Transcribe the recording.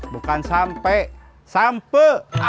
bukan sampe sampe